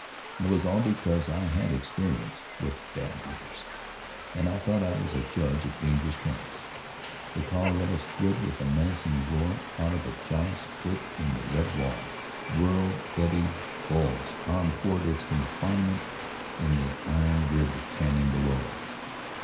And it was all because I had had experience with bad rivers, and thought I was a judge of dangerous currents. The Colorado slid with a menacing roar out of a giant split in the red wall, and whirled, eddied, bulged on toward its confinement in the iron ribbed canyon below.